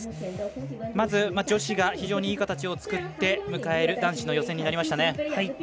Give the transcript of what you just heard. まず、女子が非常にいい形を作って迎える男子の予選になりましたね。